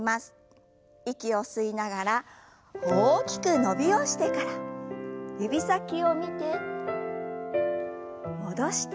息を吸いながら大きく伸びをしてから指先を見て戻して。